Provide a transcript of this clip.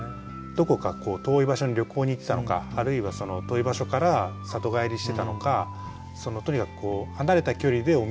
どこか遠い場所に旅行に行ってたのかあるいはその遠い場所から里帰りしてたのかとにかく離れた距離でお土産を持って行ってる。